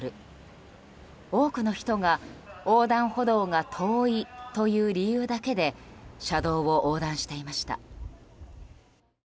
多くの人が横断歩道が遠いという理由だけで車道を横断していました。